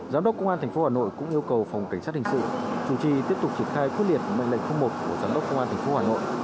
giám đốc công an tp hà nội cũng yêu cầu phòng cảnh sát hình sự chủ trì tiếp tục triển khai quyết liệt mệnh lệnh một của giám đốc công an tp hà nội